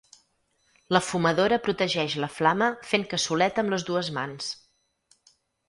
La fumadora protegeix la flama fent cassoleta amb les dues mans.